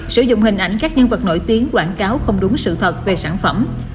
sử dụng hình ảnh các nhân vật nổi tiếng quảng cáo không đúng sự thật về sản phẩm